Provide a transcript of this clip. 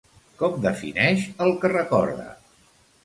Com defineix el que recorda?